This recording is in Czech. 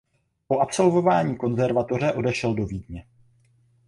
Po absolvování konzervatoře odešel do Vídně.